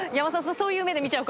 そういう目で見ちゃうかも。